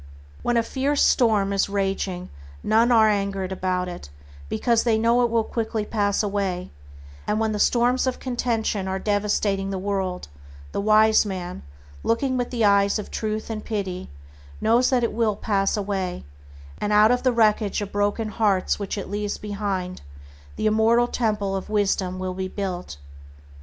When a fierce storm is raging none are angered about it, because they know it will quickly pass away, and when the storms of contention are devastating the world, the wise man, looking with the eye of Truth and pity, knows that it will pass away, and that out of the wreckage of broken hearts which it leaves behind the immortal Temple of Wisdom will be built.